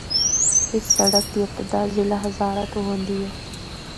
اس سڑک دی ابتدا ضلع ہزارہ تو ہوندی ہے۔